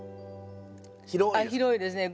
広いですか？